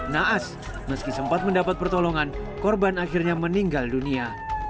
naas meski sempat mendapat pertolongan korban akhirnya meninggal dunia